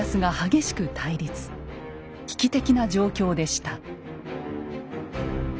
危機的な状況でした。